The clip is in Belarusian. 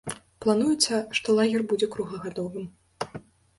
Плануецца, што лагер будзе круглагадовым.